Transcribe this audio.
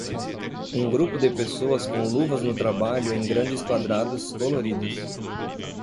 Um grupo de pessoas com luvas no trabalho em grandes quadrados coloridos.